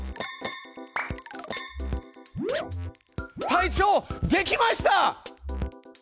隊長できました！